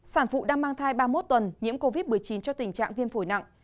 sản phụ đang mang thai ba mươi một tuần nhiễm covid một mươi chín cho tình trạng viêm phổi nặng